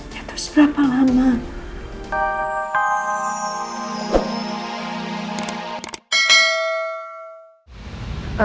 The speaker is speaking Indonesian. ya terus berapa lama